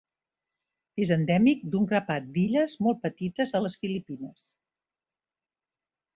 És endèmic d'un grapat d'illes molt petites de les Filipines.